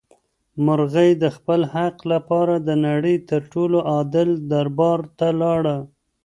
مرغۍ د خپل حق لپاره د نړۍ تر ټولو عادل دربار ته لاړه.